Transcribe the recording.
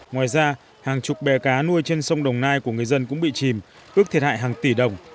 ngoài ra hàng chục bè cá nuôi trên sông đồng nai của người dân cũng bị chìm ước thiệt hại hàng tỷ đồng